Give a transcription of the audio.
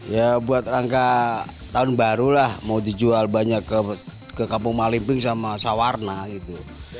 ya buat rangka tahun baru lah mau dijual banyak ke kampung malimping sama sawarna gitu